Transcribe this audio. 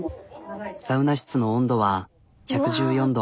サウナ室の温度は１１４℃。